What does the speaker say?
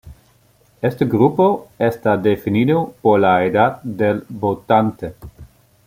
Este grupo está definido por la edad del votante.